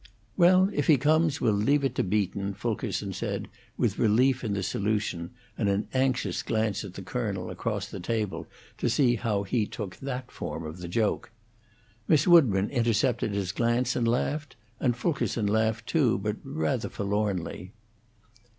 "Well, if he comes we'll leave it to Beaton," Fulkerson said, with relief in the solution, and an anxious glance at the Colonel, across the table, to see how he took that form of the joke. Miss Woodburn intercepted his glance and laughed, and Fulkerson laughed, too, but rather forlornly.